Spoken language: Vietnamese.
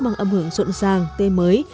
mang âm hưởng rộn ràng tê mới